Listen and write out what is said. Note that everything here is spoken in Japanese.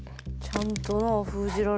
ちゃんとなあ封じられて。